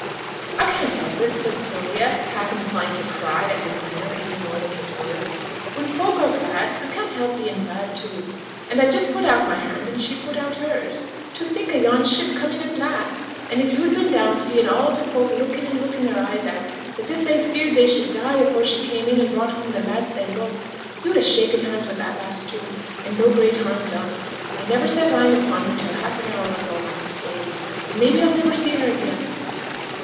"' 'I can't help it,' said Sylvia, half inclined to cry at his manner even more than his words. 'When folk are glad I can't help being glad too, and I just put out my hand, and she put out hers. To think o' yon ship come in at last! And if yo'd been down seeing all t' folk looking and looking their eyes out, as if they feared they should die afore she came in and brought home the lads they loved, yo'd ha' shaken hands wi' that lass too, and no great harm done. I never set eyne upon her till half an hour ago on th' staithes, and maybe I'll niver see her again.'